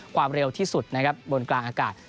ความเร็วที่สุดบนกลางอากาศ